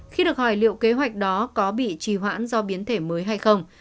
khi được hỏi liệu kế hoạch đó có bị trì hoãn do biến thể mới hay không